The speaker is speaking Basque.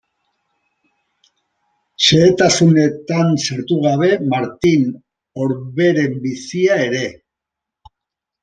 Xehetasunetan sartu gabe Martin Orberen bizia ere.